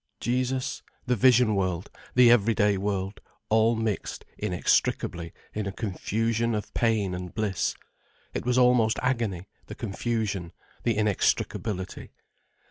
Jesus—the vision world—the everyday world—all mixed inextricably in a confusion of pain and bliss. It was almost agony, the confusion, the inextricability.